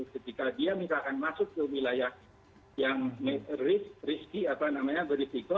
ketika dia misalkan masuk ke wilayah yang berisiko